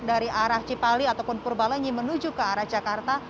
dari arah cipali ataupun purbalenyi menuju ke arah jakarta